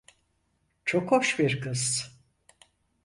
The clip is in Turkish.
Çok hoş bir kız.